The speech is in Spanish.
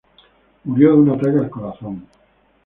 Murió de un ataque al corazón.